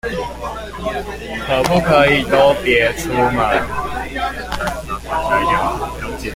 可不可以都別出門